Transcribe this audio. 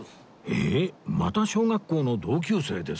えっ？また小学校の同級生ですか？